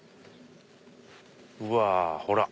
うわほら！